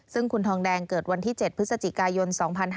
ซึ่งคุณทองแดงเกิดวันที่๗พฤศจิกายน๒๕๕๙